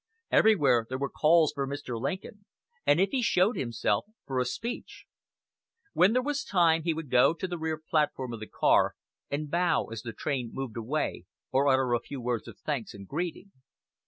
Everywhere there were calls for Mr. Lincoln, and if he showed himself; for a speech. Whenever there was time, he would go to the rear platform of the car and bow as the train moved away, or utter a few words of thanks and greeting.